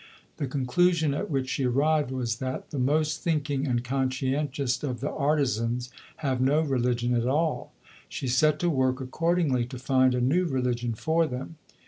The conclusion at which she arrived was that "the most thinking and conscientious of the artizans have no religion at all." She set to work, accordingly, to find a new religion for them.